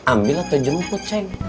ambil atau jemput ceng